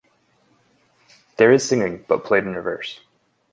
There is singing, but played in reverse.